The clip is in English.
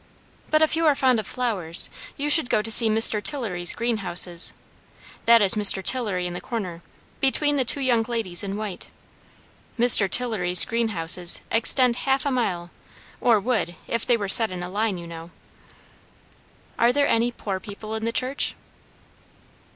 But if you are fond of flowers, you should go to see Mr. Tillery's greenhouses. That is Mr. Tillery in the corner, between the two young ladies in white. Mr. Tillery's greenhouses extend half a mile, or would, if they were set in a line, you know." "Are there any poor people in the church?"